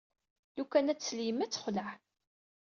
Lukan ad tsel yemma ad texleɛ.